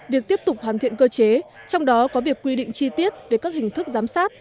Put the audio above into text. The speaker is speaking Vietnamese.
việc tiếp tục hoàn thiện cơ chế trong đó có việc quy định chi tiết về các hình thức giám sát